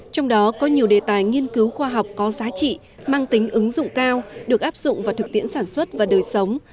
trong đó có nhiều đề tài nghiên cứu khoa học có giá trị mang tính ứng dụng cao được áp dụng vào thực tiễn sản xuất và đời sống